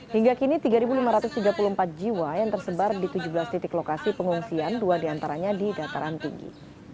hingga kini tiga lima ratus tiga puluh empat jiwa yang tersebar di tujuh belas titik lokasi pengungsian dua diantaranya di dataran tinggi